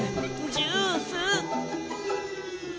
ジュース！